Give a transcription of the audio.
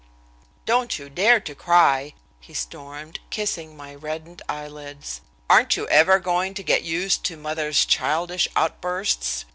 "Don't you dare to cry!" he stormed, kissing my reddened eyelids. "Aren't you ever going to get used to mother's childish outbursts?